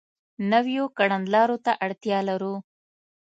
نویو کړنلارو ته اړتیا لرو.